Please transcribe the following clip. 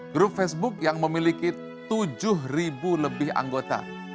grup facebook yang memiliki tujuh lebih anggota